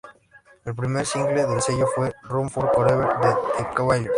El primer single del sello fue "Run For Cover", de The Wailers.